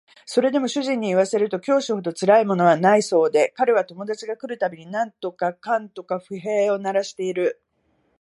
それでも主人に言わせると教師ほどつらいものはないそうで彼は友達が来る度に何とかかんとか不平を鳴らしている